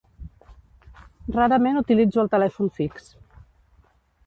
Rarament utilitzo el telèfon fix.